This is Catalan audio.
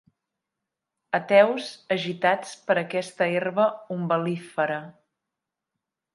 Ateus agitats per aquesta herba umbel·lífera.